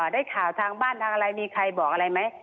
ได้ข่าวทางบ้านทางอะไรมีใครบอกอะไรไหม